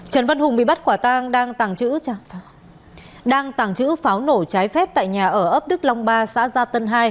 trần văn hùng bị bắt quả tang đang tàng trữ pháo nổ trái phép tại nhà ở ấp đức long ba xã gia tân hai